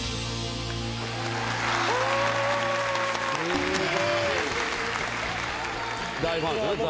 すごい。